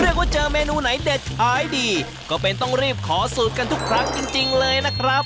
ว่าเจอเมนูไหนเด็ดขายดีก็เป็นต้องรีบขอสูตรกันทุกครั้งจริงเลยนะครับ